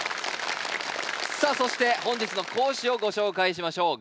さあそして本日の講師をご紹介しましょう。